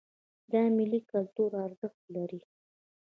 دا میلې کلتوري ارزښت لري.